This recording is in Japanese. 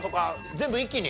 全部一気に？